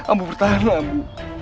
ambu bertahanlah ambu